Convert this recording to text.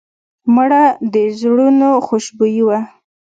مړه د زړونو خوشبويي وه